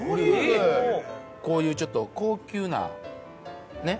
こういうちょっと高級なね